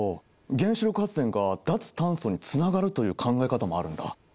原子力発電が脱炭素につながるという考え方もあるんだ。